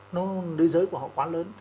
nơi giới của họ quá lớn